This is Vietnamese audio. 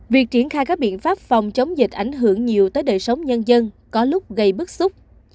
việc triển khai các biện pháp phòng chống dịch ảnh hưởng nhiều tới đời sống nhân dân có lúc gây bức xúc